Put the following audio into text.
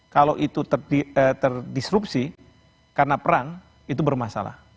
kalau itu terdisrupsi karena perang itu bermasalah